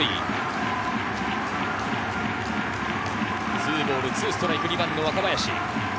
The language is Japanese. ２ボール２ストライク、２番の若林。